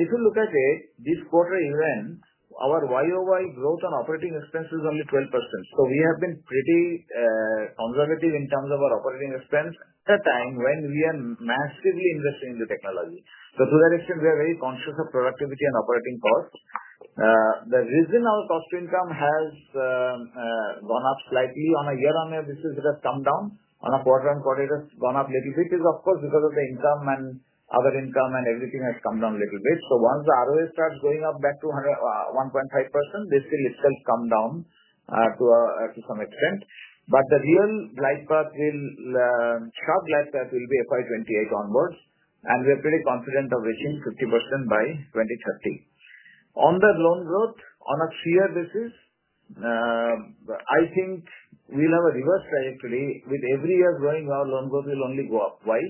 If you look at it, this quarter even, our YoY growth on operating expense is only 12%. We have been pretty conservative in terms of our operating expense at a time when we are massively investing in the technology. To that extent, we are very conscious of productivity and operating cost. The reason our cost-to-income has gone up slightly on a year-on-year basis, it has come down. On a quarter-on-quarter, it has gone up a little bit. It is, of course, because of the income and other income and everything has come down a little bit. Once the ROA starts going up back to 1.5%, this will itself come down to some extent. The real by path will, the sharp by path will be FY 2028 onwards. We are pretty confident of reaching 50% by 2030. On the loan growth on a three-year basis, I think we'll have a reverse trajectory. With every year growing, our loan growth will only go up. Why?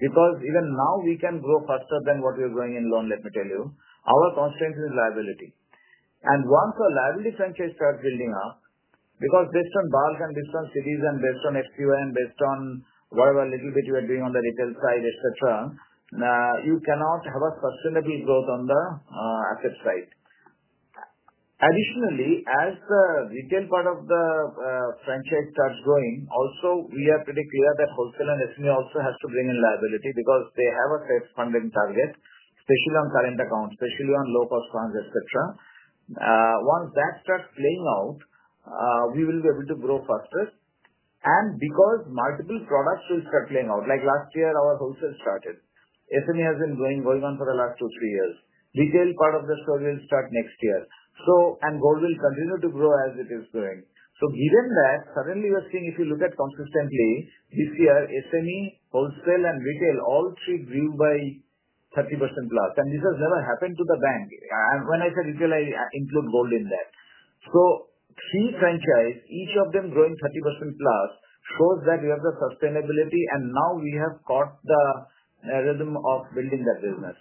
Because even now we can grow faster than what we are growing in loan, let me tell you. Our constraint is liability. Once our liability franchise starts building up, because based on bulk and based on CDs and based on FQA and based on whatever little bit you are doing on the retail side, etc., you cannot have a sustainable growth on the asset side. Additionally, as the retail part of the franchise starts growing, we are pretty clear that wholesale and SME also have to bring in liability because they have a cash funding target, especially on current accounts, especially on low-cost funds, etc. Once that starts playing out, we will be able to grow faster because multiple products will start playing out. Like last year, our wholesale started. SME has been growing, going on for the last two, three years. Retail part of that story will start next year, and gold will continue to grow as it is growing. Given that, suddenly we're seeing, if you look at consistently this year, SME, wholesale, and retail, all three grew by 30%+. This has never happened to the bank. When I say retail, I include gold in that. Three franchises, each of them growing 30%+, shows that we have the sustainability, and now we have caught the rhythm of building that business.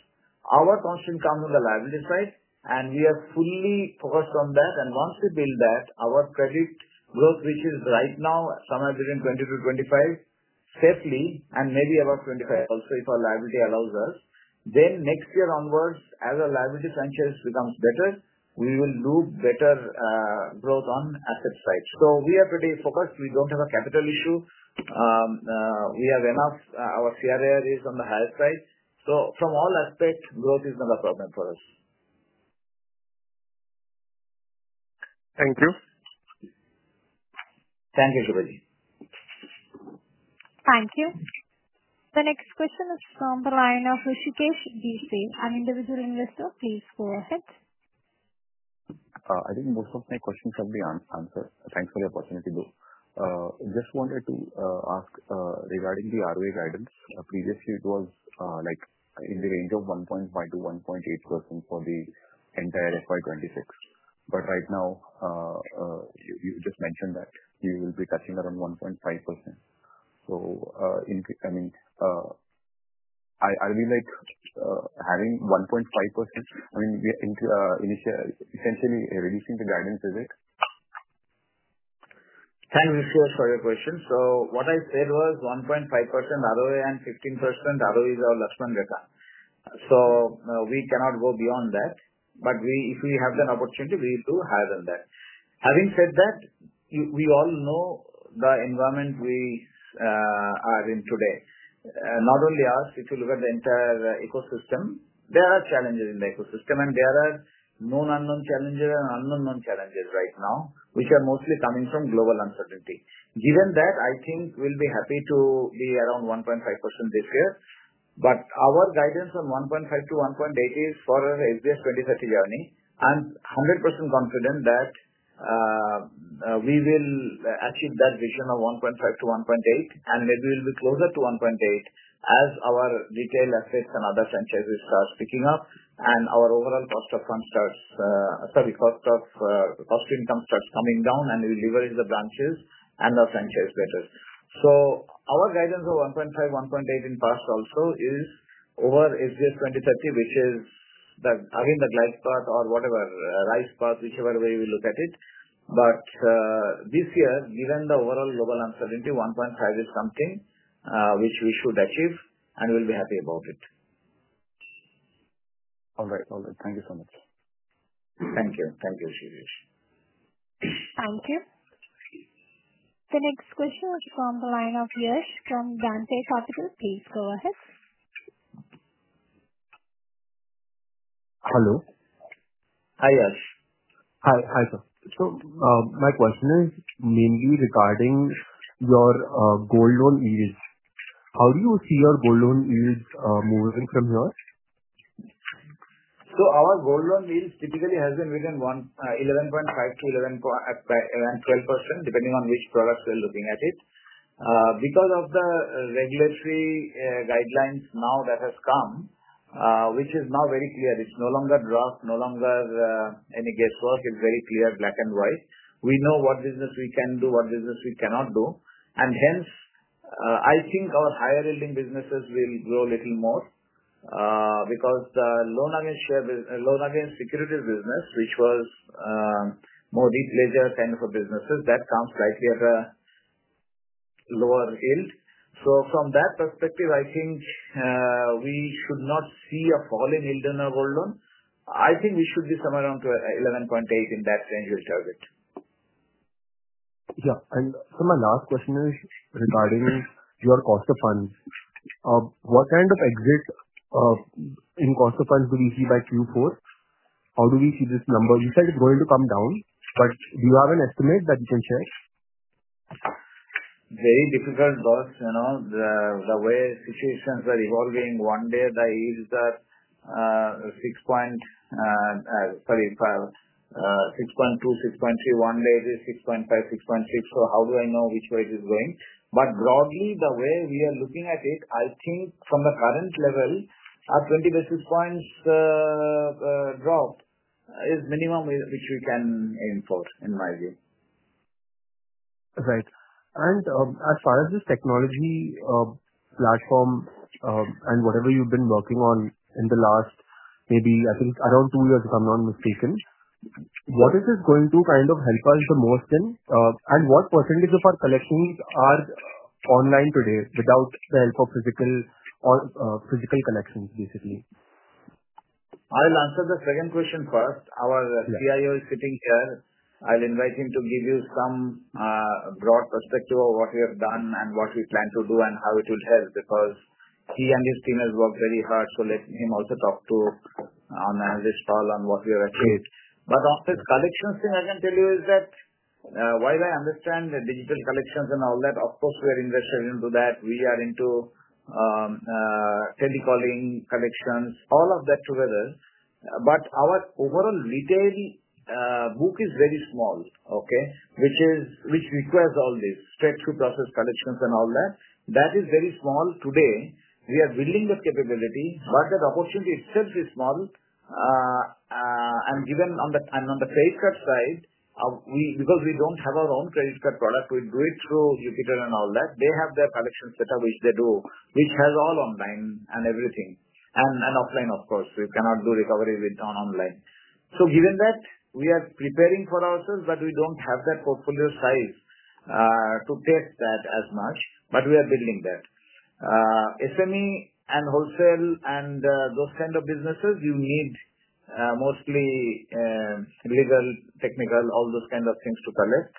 Our caution comes on the liability side, and we are fully focused on that. Once we build that, our credit growth, which is right now somewhere between 20%-25%, safely, and maybe about 25% also if our liability allows us, then next year onwards, as our liability franchise becomes better, we will move better growth on asset side. We are pretty focused. We don't have a capital issue. We have enough. Our CRAR is on the higher side. From all aspects, growth is not a problem for us. Thank you. Thank you. Thank you. The next question is from the line of Executive D.K., an individual investor, phase IV. Go ahead. I think most of my questions have been answered. Thanks for the opportunity too. I just wanted to ask regarding the ROA guidance. Previously, it was like in the range of 1.5%-1.8% for the entire FY 2026. Right now, you just mentioned that you will be touching around 1.5%. I mean, are we having 1.5%? Is it essentially reducing the guidance a bit? Can we ask further questions? What I said was 1.5% ROA and 15% ROE is our lifetime beta. We cannot go beyond that. If we have an opportunity, we need to hire them that. Having said that, we all know the environment we are in today. Not only us, if you look at the entire ecosystem, there are challenges in the ecosystem, and there are known unknown challenges and unknown known challenges right now, which are mostly coming from global uncertainty. Given that, I think we'll be happy to be around 1.5% this year. Our guidance on 1.5%-1.8% is for our SBI 2030 journey. I'm 100% confident that we will achieve that vision of 1.5%-1.8%, and maybe we'll be closer to 1.8% as our retail assets and other franchises start picking up and our overall cost of funds, sorry, cost-to-income starts coming down, and we leverage the branches and our franchise betas. Our guidance of 1.5%, 1.8% in the past also is over SBI 2030, which is the, again, the glass path or whatever, rice path, whichever way we look at it. This year, given the overall global uncertainty, 1.5% is something which we should achieve and we'll be happy about it. All right. Thank you so much. Thank you. Thank you. Thank you. The next question is from the line of Yas from Dante Capital. Please go ahead. Hello. Hi, Yas. Hi, sir. My question is mainly regarding your gold loan yields. How do you see your gold loan yields moving from here? Our gold loan yields typically have been between 11.5%-12%, depending on which product we're looking at. Because of the regulatory guidelines now that have come, which are now very clear, it's no longer draft, no longer any guesswork. It's very clear, black and white. We know what business we can do, what business we cannot do. I think our higher yielding businesses will grow a little more because the loan against securities business, which was more the pleasure kind of for businesses, comes slightly at a lower yield. From that perspective, I think we should not see a fall in yield on our gold loan. I think we should be somewhere around 11.8% in that range we started. Yeah, my last question is regarding your cost of funds. What kind of exits in cost of funds do we see by Q4? How do we see this number? You said it's going to come down, but do you have an estimate that you can share? Very difficult, boss. You know the way situations are evolving, one day the yields are 6.2, 6.3, one day it is 6.5, 6.6. How do I know which way it is going? Broadly, the way we are looking at it, I think from the current level, our 20 basis points drop is minimum which we can aim for in my view. Right. As far as this technology platform and whatever you've been working on in the last, maybe I think around two years if I'm not mistaken, what is it going to kind of help us the most in? What percentage of our collections are online today without the help of physical connections, basically? I'll answer the second question first. Our CIO is sitting here. I'll invite him to give you some broad perspective of what we have done and what we plan to do and how it would help because he and his team have worked very hard. Let him also talk to you on this call on what we have achieved. Of the collections thing, I can tell you is that while I understand the digital collections and all that, of course, we are invested into that. We are into telecalling collections, all of that together. Our overall retail book is very small, which requires all this stretch to process collections and all that. That is very small today. We are building this capability, but the opportunity itself is small. Given on the credit card side, because we don't have our own credit card product, we do it through Jupiter and all that. They have their collections set up, which they do, which has all online and everything, and offline, of course. We cannot do recovery with our online. Given that, we are preparing for ourselves, but we don't have that portfolio size to test that as much. We are building that. SME and wholesale and those kinds of businesses, you need mostly legal, technical, all those kinds of things to collect.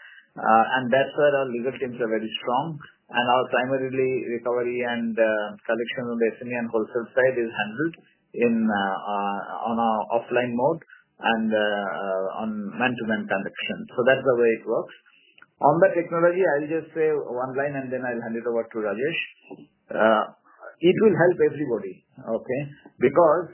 That's where our legal teams are very strong. Our primary recovery and collection on the SME and wholesale side is handled in our offline mode and on management kind of thing. That's the way it works. On the technology, I'll just say one line and then I'll hand it over to Rajesh. It will help everybody, because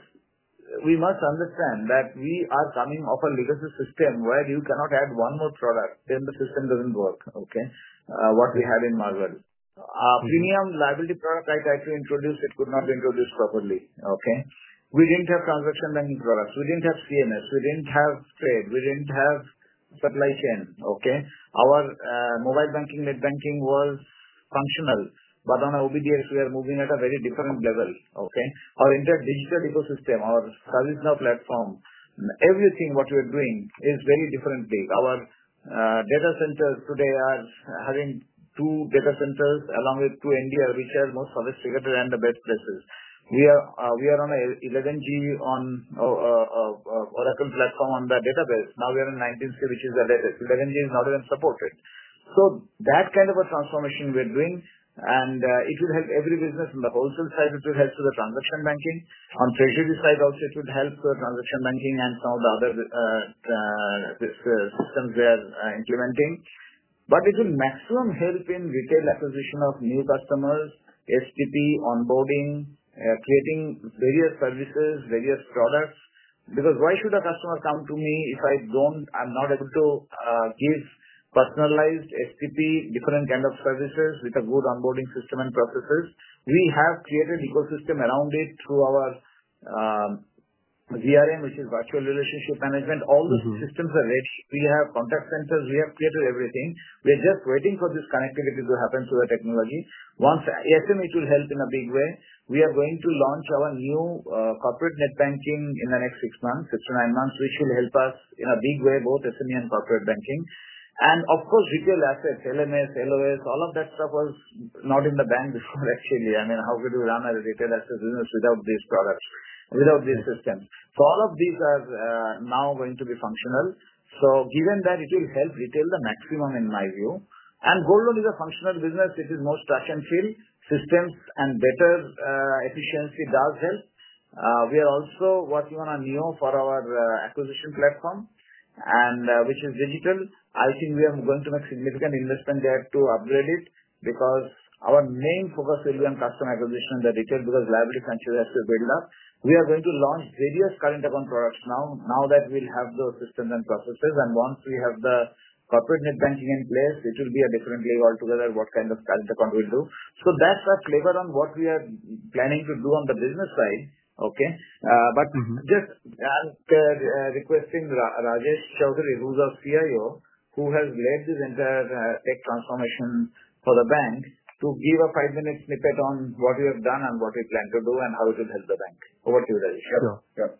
we must understand that we are coming often because of the system where you cannot add one more product, then the system doesn't work. What we had in Marvel, our premium liability product I tried to introduce, it could not be introduced properly. We didn't have transaction banking products. We didn't have CMS. We didn't have trade. We didn't have supply chain. Our mobile banking, net banking were functional. On our OBDS, we are moving at a very different level. Our entire digital ecosystem, our ServiceNow platform, everything what we are doing is very different. Our data centers today are having two data centers along with two NDR, which are most service-related and the best places. We are on an 11G on Oracle platform on the database. Now we are on 19C, which is the database. 11G is not even supported. That kind of a transformation we're doing. It will help every business. On the wholesale side, it will help transaction banking. On the treasury side, also, it would help transaction banking and some of the other systems we are implementing. It will help the maximum in retail acquisition of new customers, STP onboarding, creating various services, various products. Why should a customer come to me if I'm not able to give personalized STP, different kinds of services with a good onboarding system and processes? We have created an ecosystem around it through our VRM, which is Virtual Relationship Management. All the systems are there. We have contact centers. We have created everything. We're just waiting for this connectivity to happen to the technology. Once SME, it will help in a big way. We are going to launch our new corporate net banking in the next six to nine months, which will help us in a big way, both SME and corporate banking. Of course, retail assets, LMS, LOS, all of that stuff was not in the bank before. I mean, how could we run a retail asset business without these products, without this system? All of these are now going to be functional. Given that, it will help retail the maximum in my view. Gold loan is a functional business. This is most trash and shill. Systems and better efficiency does help. We are also working on a new acquisition platform, which is digital. I think we are going to make significant investment there to upgrade it because our main focus will be on customer acquisition in retail because liability franchise has to build up. We are going to launch various current account products now, now that we'll have those systems and processes. Once we have the corporate net banking in place, it will be a different way altogether what kind of current account we'll do. That's a flavor on what we are planning to do on the business side, okay? Requesting Rajesh Choudhary, who's our CIO, who has led this entire tech transformation for the bank, to give a five-minute snippet on what we have done and what we plan to do and how it will help the bank. Over to you, Rajesh.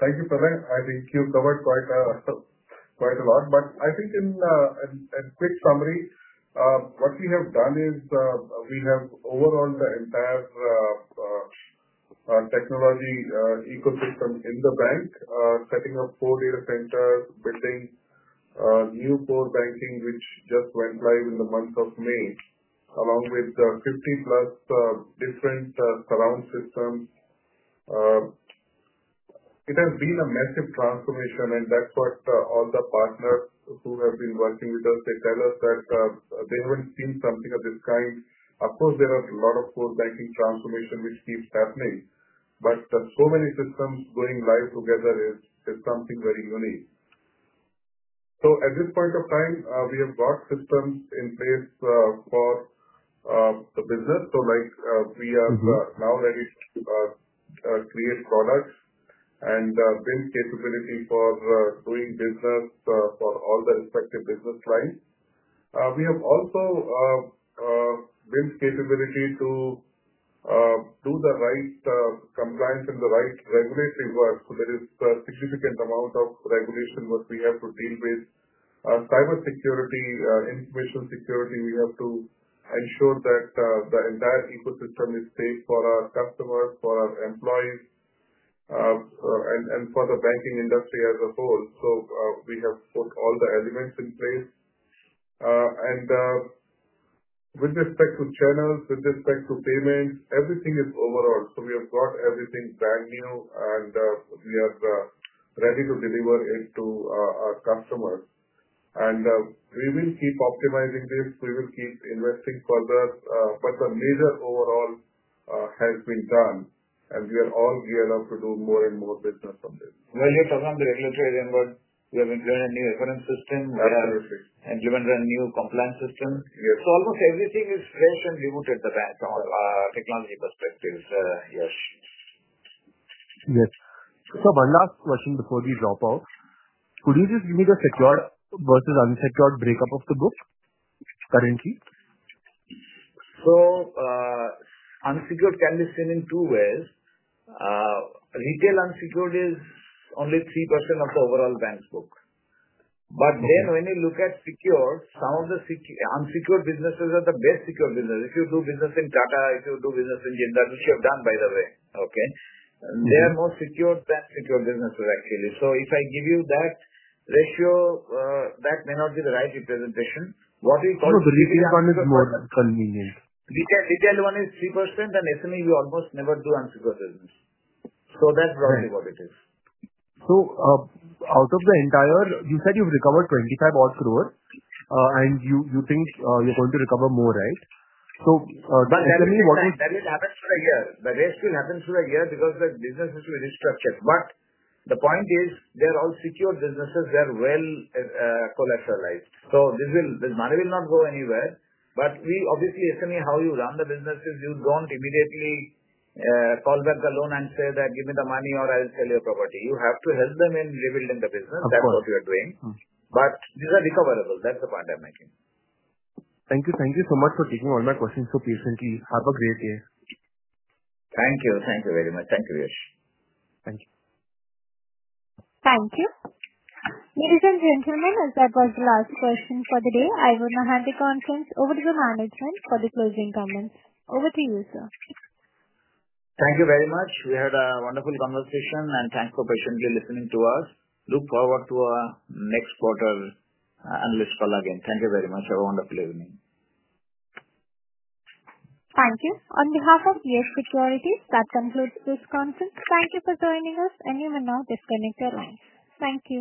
Thank you, Pralay. I think you covered quite a lot. In a quick summary, what we have done is we have overhauled the entire technology ecosystem in the bank, setting up four data centers, putting new core banking, which just went live in the month of May, along with 50-plus different surround systems. It has been a massive transformation, and that's what all the partners who have been working with us tell us, that they haven't seen something of this kind. Of course, there are a lot of core banking transformations which keep happening. However, so many systems going live together is something very unique. At this point of time, we have got systems in place for the business. We are now ready to create products and build capability for doing business for all the respective business lines. We have also built capability to do the right compliance and the right regulation work. There is a significant amount of regulation work we have to deal with. Our cybersecurity, information security, we have to ensure that the entire ecosystem is safe for our customers, for our employees, and for the banking industry as a whole. We have put all the elements in place. With respect to channels and with respect to payments, everything is overall. We have got everything brand new, and we are ready to deliver it to our customers. We will keep optimizing this. We will keep investing further. The major overhaul has been done, and we are all geared up to do more and more business from this. Yes, around the regulatory reimbursement, we have a new reference system, and given the new compliance system, almost everything is very congruent in the bank from a technology perspective. Yes. Yes. One last question before we drop out. Could you just give me the secured versus unsecured breakup of the book currently? Unsecured can be seen in two ways. Retail unsecured is only 3% of the overall bank's book. When you look at secure, some of the unsecured businesses are the best secure businesses. If you do business in Tata or if you do business in Gendar, which you have done, by the way, they are more secured than secure businesses, actually. If I give you that ratio, that may not be the right representation. What do you think? Sure. The retail one is more convenient. Retail one is 3%, and SME, you almost never do unsecured business. That's broadly what it is. Out of the entire, you said you've recovered 25 crore, and you think you're going to recover more, right? That tells me what is. That will happen for a year. The rest will happen for a year because the business has to restructure. The point is they're all secured businesses where, when collapse, right? The money will not go anywhere. Obviously, SME, how you run the business is you don't immediately call back the loan and say, "Give me the money or I'll sell your property." You have to help them in rebuilding the business. That's what we are doing. These are recoverable. That's the point I'm making. Thank you. Thank you so much for taking all my questions so patiently. Have a great day. Thank you. Thank you very much. Thank you, Yas. Thank you. Thank you. Ladies and gentlemen, as that was the last question for the day, I will now hand the conference over to the management for the closing comments. Over to you, sir. Thank you very much. We had a wonderful conversation, and thanks for patiently listening to us. Look forward to our next quarter analyst call again. Thank you very much. Have a wonderful evening. Thank you. On behalf of Yes Securities, that concludes this conference. Thank you for joining us, and you may now disconnect your rooms. Thank you.